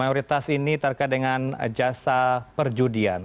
mayoritas ini terkait dengan jasa perjudian